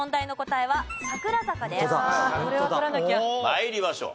参りましょう。